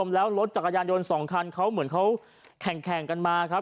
แล้วรถจักรยานยนต์๒คันเขาเหมือนเขาแข่งกันมาครับ